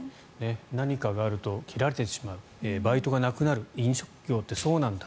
何かがあると切られてしまうバイトがなくなる飲食業ってそうなんだ